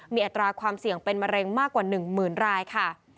มีอัตราความเสี่ยงเป็นมะเร็งมากกว่า๑๐๐๐รายค่ะ